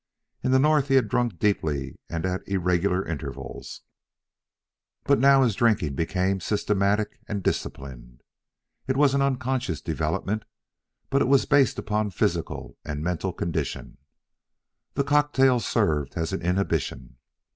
In the North, he had drunk deeply and at irregular intervals; but now his drinking became systematic and disciplined. It was an unconscious development, but it was based upon physical and mental condition. The cocktails served as an inhibition.